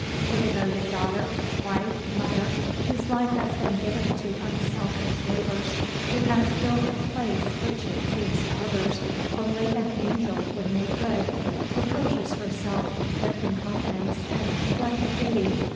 The devoted daughter, wife, mother, whose life has been given to unselfish labors, who has filled a place which it seems to others only an angel would make good, reproaches herself with incompetence and neglect of duty.